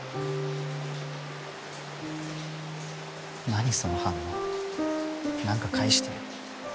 何その反応何か返してよ。